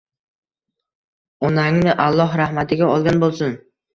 Onagni Alloh rahmatiga olgan bo`lsin